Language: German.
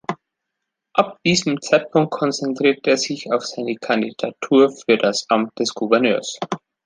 Ab diesem Zeitpunkt konzentrierte er sich auf seine Kandidatur für das Amt des Gouverneurs.